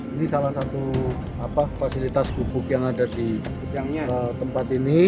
ini salah satu fasilitas gubuk yang ada di tempat ini